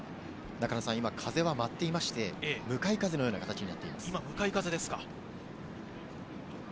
今、風は舞っていまして、向かい風のような形になっています。